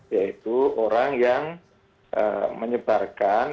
yaitu orang yang menyebarkan